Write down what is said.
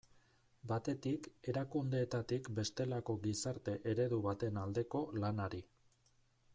Batetik, erakundeetatik bestelako gizarte eredu baten aldeko lanari.